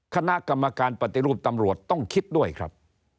คณะกรรมการปฏิรูปตำรวจต้องคิดด้วยครับ